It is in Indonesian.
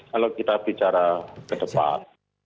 kalau kita bicara ke depan